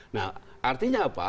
nah artinya apa